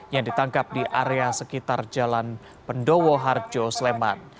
yang ditangkap di area sekitar jalan pendowo harjo sleman